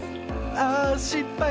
あしっぱい。